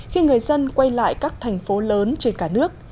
khi người dân quay lại các thành phố lớn trên cả nước